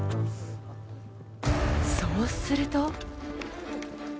そうすると。